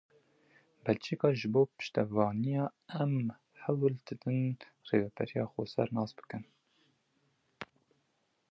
Belçîka ji bo piştevaniyê em hewl didin Rêveberiya Xweser nas bikin.